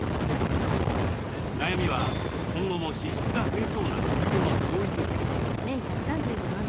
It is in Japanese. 悩みは今後も支出が増えそうな娘の教育費です。